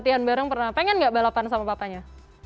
latihan bareng pernah pengen gak balapan sama papanya